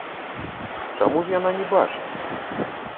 Чаму ж яна не бачыць?